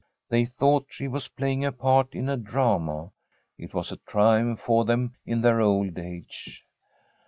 They thought she was playing a part in a drama. It was a triumph for them in their old age.